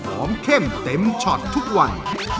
เข้มเต็มช็อตทุกวัน